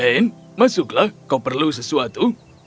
anne masuklah kau perlu sesuatu